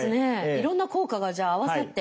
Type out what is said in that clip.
いろんな効果がじゃあ合わさって。